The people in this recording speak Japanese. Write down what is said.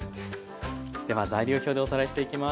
では材料表でおさらいしていきます。